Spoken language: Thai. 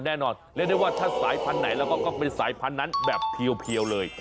แน่นอนเรียกได้ว่าถ้าสายพันธุ์ไหนแล้วก็เป็นสายพันธุ์นั้นแบบเพียวเลย